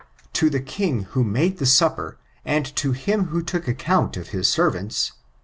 To the king who made the supper, and to him who took account of his servants